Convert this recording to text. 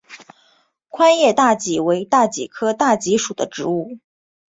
宽叶大戟为大戟科大戟属的植物。